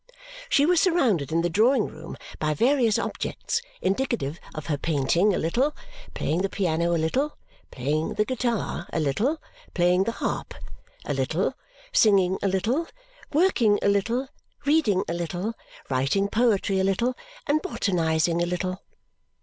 She was surrounded in the drawing room by various objects, indicative of her painting a little, playing the piano a little, playing the guitar a little, playing the harp a little, singing a little, working a little, reading a little, writing poetry a little, and botanizing a little.